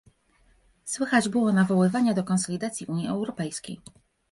Słychać było nawoływania do konsolidacji Unii Europejskiej